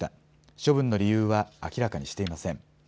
処分の理由は明らかにしていません。